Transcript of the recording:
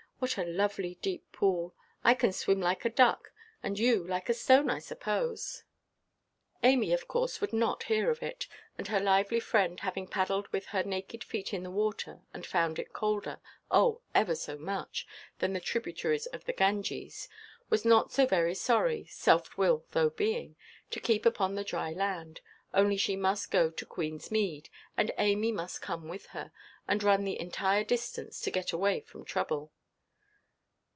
What a lovely deep pool! I can swim like a duck; and you like a stone, I suppose." Amy, of course, would not hear of it, and her lively friend, having paddled with her naked feet in the water, and found it colder—oh, ever so much—than the tributaries of the Ganges, was not so very sorry (self–willed though being) to keep upon the dry land, only she must go to Queenʼs Mead, and Amy must come with her, and run the entire distance, to get away from trouble.